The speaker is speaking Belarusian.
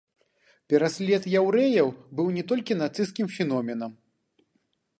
Пераслед яўрэяў быў не толькі нацысцкім феноменам.